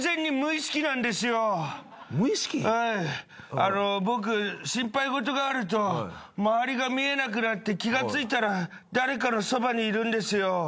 あの僕心配ごとがあると周りが見えなくなって気がついたら誰かの側に居るんですよ。